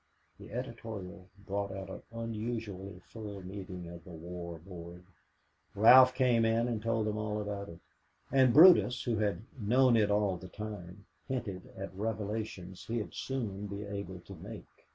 The editorial brought out an unusually full meeting of the War Board. Ralph came in and told them all about it, and Brutus, who had "known it all the time," hinted at revelations he'd soon be able to make.